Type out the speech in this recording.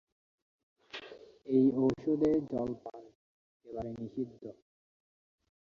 এই ঔষধে জলপান একেবারে নিষিদ্ধ।